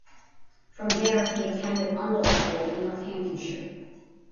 From there he attended Oundle School in Northamptonshire.